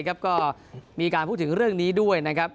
ก็มีการพูดถึงเรื่องนี้ด้วยนะครับ